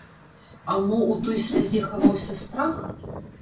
А мо ў той слязе хаваўся страх?